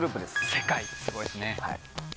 世界すごいですね。